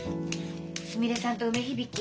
すみれさんと梅響